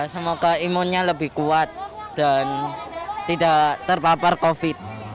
semoga imunnya lebih kuat dan tidak terpapar covid